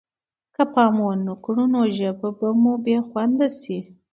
که پام ونه کړو نو ژبه به مو بې خونده شي.